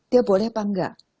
dia boleh apa enggak